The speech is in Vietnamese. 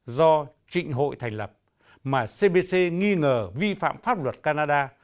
do trịnh hội thành lập mà cbc nghi ngờ vi phạm pháp luật canada